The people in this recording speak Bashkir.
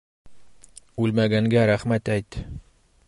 Үлмәгәнгә рәхмәт әйт.